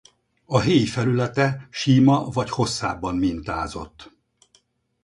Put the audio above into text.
A héj felülete sima vagy hosszában mintázott.